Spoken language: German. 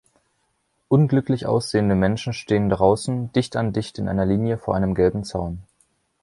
Unglücklich aussehende Menschen stehen draußen, dicht an dicht in einer Linie vor einem gelben Zaun.